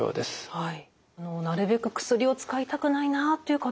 はい。